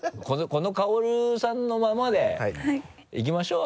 この薫さんのままでいきましょう。